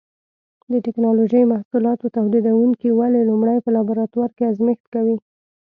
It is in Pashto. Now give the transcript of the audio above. د ټېکنالوجۍ محصولاتو تولیدوونکي ولې لومړی په لابراتوار کې ازمېښت کوي؟